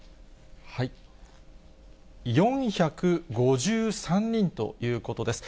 ４５３人ということです。